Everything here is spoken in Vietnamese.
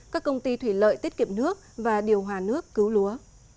các công ty thủy lợi tiết kiệm nước và điều hòa nước cứu lúa